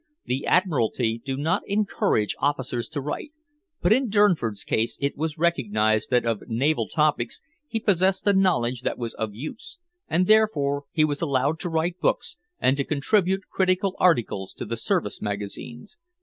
The Admiralty do not encourage officers to write, but in Durnford's case it was recognized that of naval topics he possessed a knowledge that was of use, and, therefore, he was allowed to write books and to contribute critical articles to the service magazines.